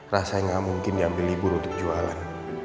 rasa gak mungkin diambil libur untuk jualan